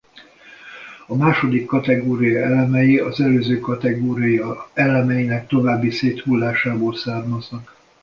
A második kategória elemei az előző kategória elemeinek további széthullásából származnak.